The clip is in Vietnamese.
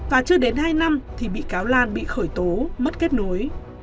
và chưa đến hai năm thì bị cáo lan bị khởi tố mất kết nối